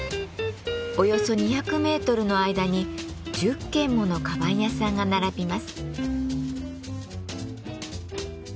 およそ２００メートルの間に１０軒もの鞄屋さんが並びます。